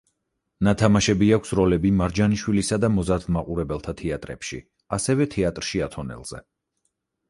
ნათამაშები აქვს როლები მარჯანიშვილისა და მოზარდ მაყურებელთა თეატრებში, ასევე თეატრში ათონელზე.